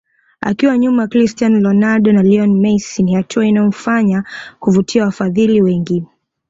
Akiwa nyuma ya Cristiano Ronaldo na Lionel Messi ni hatua inayomfanya kuvutia wafadhili wengi